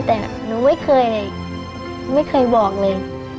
แต่หนูไม่เคยบอกเลย